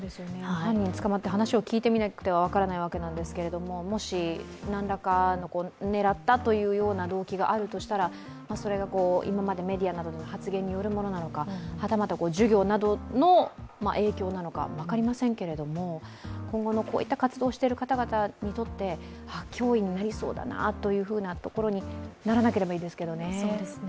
犯人が捕まって、話を聞いてみないと分からないわけですがもし何らかの狙ったという動機があるとしたらそれが今までメディアなどの発言によるものなのかはたまた授業などの影響なのか分かりませんけども今後、こういった活動をしている方々にとって脅威になりそうだとならなければいいですけどね。